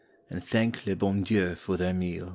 And thank le bon Dieii for their meal.